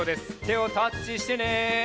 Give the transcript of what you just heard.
てをタッチしてね！